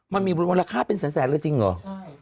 มันมีรูปราคาเป็นแสนแล้วจริงหรอ